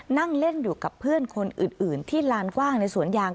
นั่งเล่นอยู่กับเพื่อนคนอื่นที่ลานกว้างในสวนยาง